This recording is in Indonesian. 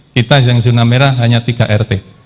kita yang zona merah hanya tiga rt